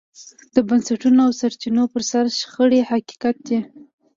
د بنسټونو او سرچینو پر سر شخړې حقیقت دی.